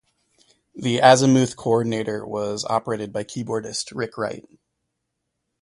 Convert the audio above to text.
The Azimuth Co-ordinator was operated by keyboardist Rick Wright.